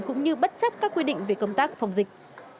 cũng như bất chấp các quy định về công tác phòng dịch